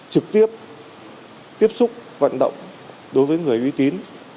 trực tiếp tiếp xúc vận động đối với người uy tín